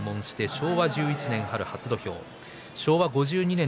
昭和１１年が初土俵。